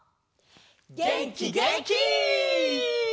げんきげんき！